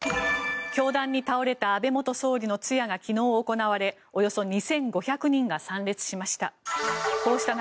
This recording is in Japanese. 凶弾に倒れた安倍元総理の通夜が昨日行われおよそ２５００人が参列しました。